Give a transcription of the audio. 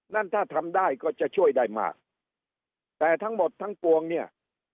นั่นถ้าทำได้ก็จะช่วยได้มากแต่ทั้งหมดทั้งปวงเนี่ย